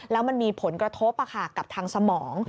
แล้วมันมีผลกระทบกับทางสมอง